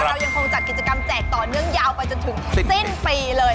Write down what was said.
เรายังคงจัดกิจกรรมแจกต่อเนื่องยาวไปจนถึงสิ้นปีเลย